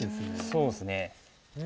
そうですね。